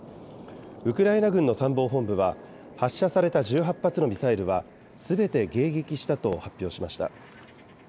ウクライナ軍の参謀本部は、発射された１８発のミサイルは、すべて迎撃したと発表しました。